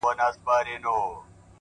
هغه خو هغه کوي’ هغه خو به دی نه کوي’